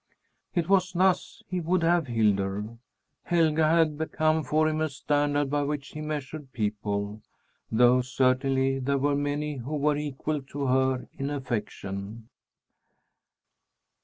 It was thus he would have Hildur. Helga had become for him a standard by which he measured people. Though certainly there were many who were equal to her in affection!